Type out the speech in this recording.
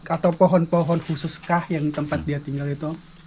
atau pohon pohon khusus kah yang tempat dia tinggal itu